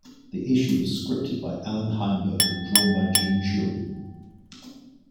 The issue was scripted by Allan Heinberg and drawn by Jim Cheung.